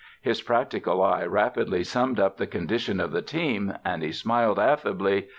His practical eye rapidly summed up the condition of the team, and he smiled affably.